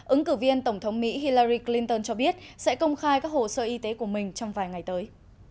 ứng cử viên tổng thống mỹ hillari clinton cho biết sẽ công khai các hồ sơ y tế của mình trong vài ngày tới